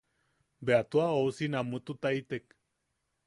Bea tua ousi namututaitek.